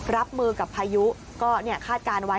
รับมือกับพายุก็คาดการณ์ไว้